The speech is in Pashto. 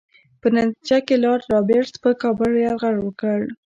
په نتیجه کې لارډ رابرټس پر کابل یرغل وکړ.